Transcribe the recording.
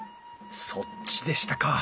そっちでしたか。